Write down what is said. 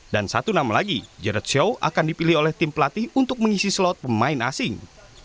dan satu nama lagi jerosho akan dipilih oleh tim pelatih untuk mengisi slot pemain asing